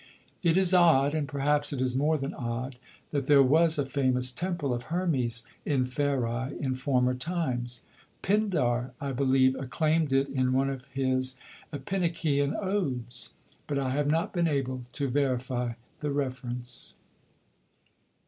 It is odd, and perhaps it is more than odd, that there was a famous temple of Hermes in Pheræ in former times. Pindar, I believe, acclaimed it in one of his Epinikean odes; but I have not been able to verify the reference.